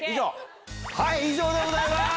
以上でございます。